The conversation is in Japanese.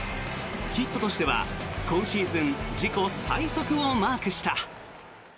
ヒットとしては今シーズン自己最速をマークした。